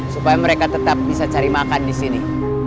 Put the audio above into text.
supaya mereka tetap bisa cari makan disini